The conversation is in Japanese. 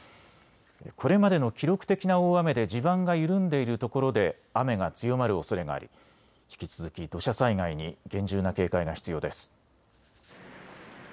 これまでの記録的な大雨で地盤が緩んでいるところで雨が強まるおそれがあり引き続き土砂災害に厳重な警戒が必要です。